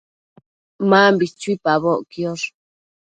Mambi chui uidpaboc quiosh